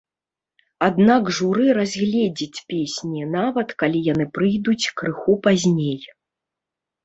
Аднак журы разгледзіць песні нават калі яны прыйдуць крыху пазней.